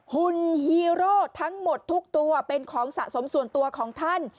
หุ่นฮีโร่ทั้งหมดทุกตัวเป็นของสะสมส่วนตัวของท่าน